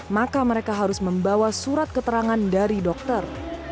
maka mereka harus membawa surat keterangan dari dokter